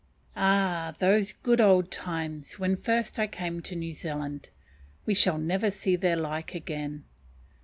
Ah! those good old times, when first I came to New Zealand, we shall never see their like again.